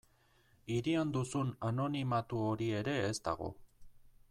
Hirian duzun anonimatu hori ere ez dago.